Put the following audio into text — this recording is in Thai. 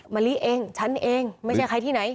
มะลิเองฉันเองไม่ใช่ใครที่ไหน